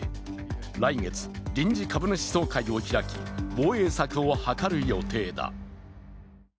来月、臨時株主総会を開き、防衛策を諮る予定だ。